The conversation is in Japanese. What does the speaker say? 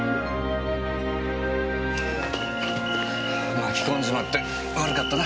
巻き込んじまって悪かったな。